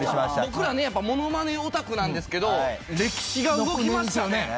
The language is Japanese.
僕らねものまねオタクなんですけど歴史が動きましたね。